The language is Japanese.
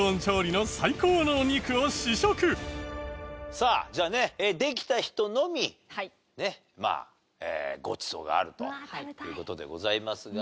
さあじゃあねできた人のみまあごちそうがあるという事でございますが。